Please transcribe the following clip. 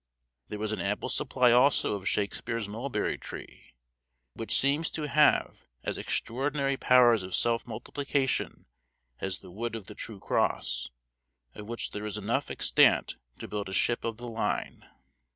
There was an ample supply also of Shakespeare's mulberry tree, which seems to have as extraordinary powers of self multiplication as the wood of the true cross, of which there is enough extant to build a ship of the line.